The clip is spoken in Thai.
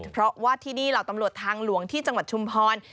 เพราะว่าที่นี่เหล่าตำรวจทางหลวงที่จังหวัดชุมพร